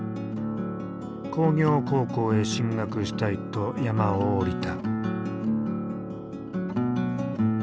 工業高校へ進学したいと山を下りた。